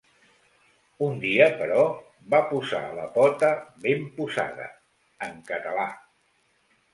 Un dia, però, va posa la pota ben posada… En català.